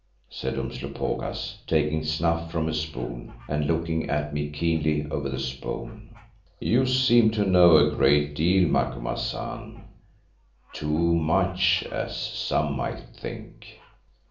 said Umslopogaas, taking snuff from a spoon and looking at me keenly over the spoon. "You seem to know a great deal, Macumazahn; too much as some might think."